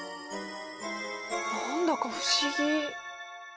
何だか不思議。